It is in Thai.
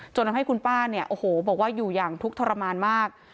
จนทำให้คุณป้าเนี่ยโอ้โหบอกว่าอยู่อย่างทุกข์ทรมานมาก